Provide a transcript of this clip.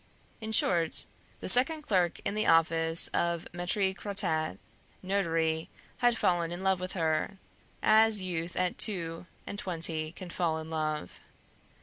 In short, the second clerk in the office of Maître Crottat, notary, had fallen in love with her, as youth at two and twenty can fall in love.